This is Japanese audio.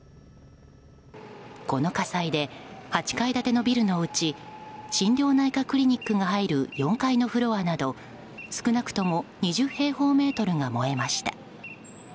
この火災で８階建てのビルのうち心療内科クリニックが入る４階のフロアなど少なくとも２０平方メートルが燃えました。